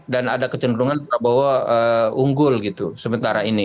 dan ada kecenderungan prabowo unggul gitu sementara ini